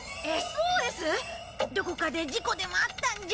どこかで事故でもあったんじゃ？